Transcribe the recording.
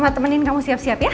mbak temenin kamu siap siap ya